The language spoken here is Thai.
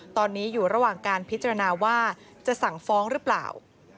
ตอนนี้อยู่ระหว่างการพิจารณาว่าจะสั่งฟ้องหรือเปล่า